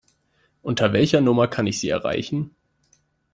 Unter welcher Nummer kann ich Sie erreichen?